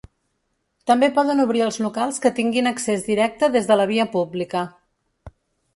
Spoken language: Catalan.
També poden obrir els locals que tinguin accés directe des de la via pública.